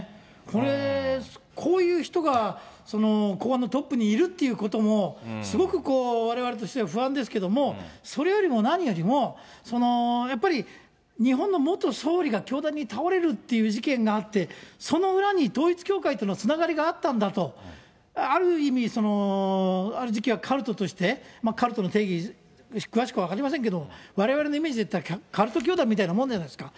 これ、こういう人が公安のトップにいるっていうこともすごくわれわれとしても不安ですけども、それよりも何よりもやっぱり日本の元総理が凶弾に倒れるっていう事件があって、その裏に統一教会とのつながりがあったんだと、ある意味、ある時期はカルトとして、カルトの定義、詳しくは分かりませんけれども、われわれのイメージで言ったら、カルト教団みたいなもんじゃないですか。